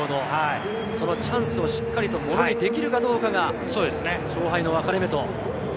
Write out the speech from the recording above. そのチャンスをしっかりと、ものにできるかどうかが勝敗の分かれ目と。